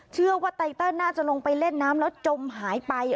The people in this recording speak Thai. ไตเติลน่าจะลงไปเล่นน้ำแล้วจมหายไป